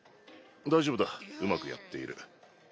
大丈夫だうまくやっている。